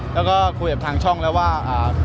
แล้วก็คุยกับทางช่องแล้วว่า